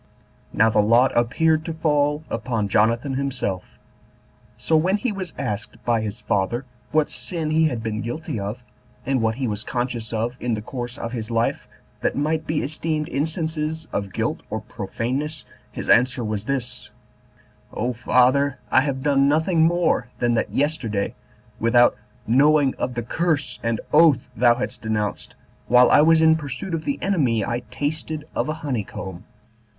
Now the lot appeared to fall upon Jonathan himself. So when he was asked by his father what sin he had been guilty of, and what he was conscious of in the course of his life that might be esteemed instances of guilt or profaneness, his answer was this, "O father, I have done nothing more than that yesterday, without knowing of the curse and oath thou hadst denounced, while I was in pursuit of the enemy, I tasted of a honey comb."